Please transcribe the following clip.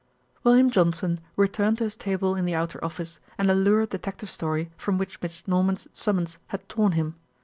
William Johnson returned to his table in the outer office and the lurid detective story from which Miss Norman's summons had torn him.